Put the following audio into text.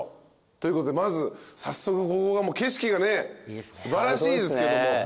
ということでまず早速ここが景色がね素晴らしいですけども。